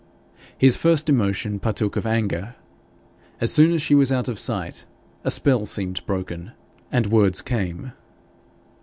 His first emotion partook of anger. As soon as she was out of sight a spell seemed broken, and words came.